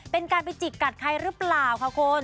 เป็นการไปจิกกัดใครหรือเปล่าค่ะคุณ